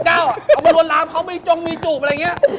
เอามารวดล้ำเค้ามีจองมีจุบอะไรอย่างงี้